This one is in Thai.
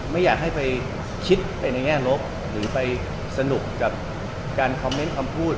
ไม่อยากให้ไปคิดไปในแง่ลบหรือไปสนุกกับการคอมเมนต์คำพูด